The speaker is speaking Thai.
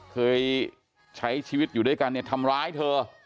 เคยใช้ชีวิตอยู่ด้วยกันเนี่ยทำร้ายเธอ